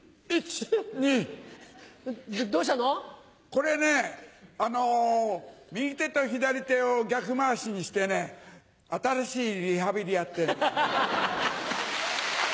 これね右手と左手を逆回しにしてね新しいリハビリやってるの。